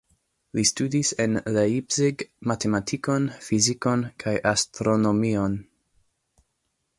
Li studis en Leipzig matematikon, fizikon kaj astronomion.